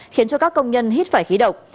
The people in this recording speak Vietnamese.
khiến cho các công nhân hít phải khí độc